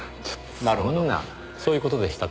なるほどそういう事でしたか。